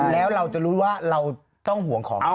แล้วเราจะรู้ว่าเราต้องห่วงของเขา